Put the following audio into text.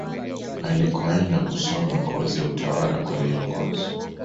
Alikoenda kusoma kozi ya utawala kwa viongozi